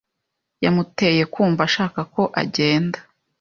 Yamuteye kumva ashaka ko agenda.